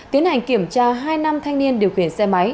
tiến hành kiểm tra hai nam thanh niên điều khiển xe máy